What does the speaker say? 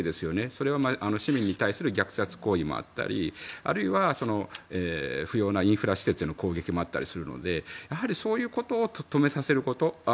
それは市民に対する虐殺行為もあったりあるいは不要なインフラ施設への攻撃もあったりするのでやはり、そういうことを止めさせること。